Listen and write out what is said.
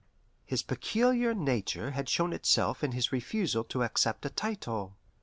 His peculiar nature had shown itself in his refusal to accept a title.